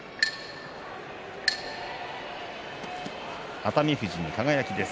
熱海富士に輝です。